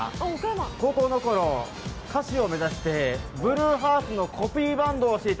高校のころ、歌手を目指してＢＬＵＥＨＥＡＲＴＳのコピーバンドをしていた。